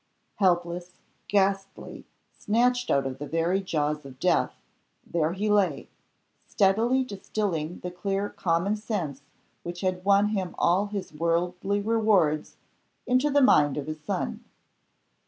Helpless, ghastly, snatched out of the very jaws of death, there he lay, steadily distilling the clear common sense which had won him all his worldly rewards into the mind of his son.